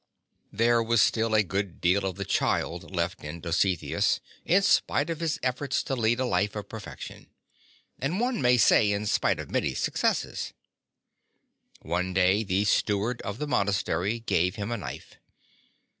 There was still a good deal of the child left in Dositheus, in spite of his efforts to lead a life of perfection, and, one may say, in spite of his many successes. One day the stew ard of the monastery gave him a knife.